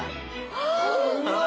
うわ！